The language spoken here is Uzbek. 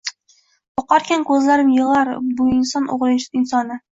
Boqarkan koʻzlarim yigʻlar bu inson oʻgʻli insona